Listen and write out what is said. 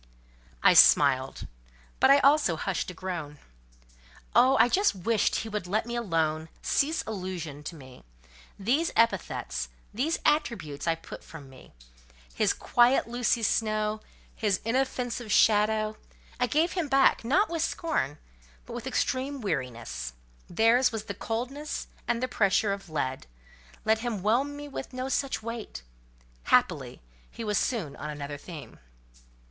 I smiled; but I also hushed a groan. Oh!—I just wished he would let me alone—cease allusion to me. These epithets—these attributes I put from me. His "quiet Lucy Snowe," his "inoffensive shadow," I gave him back; not with scorn, but with extreme weariness: theirs was the coldness and the pressure of lead; let him whelm me with no such weight. Happily, he was soon on another theme.